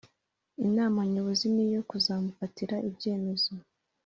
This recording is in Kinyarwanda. Inama nyobozi niyo kuzamufatira ibyemezo